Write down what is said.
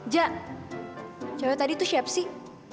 ja cewek tadi tuh siap sih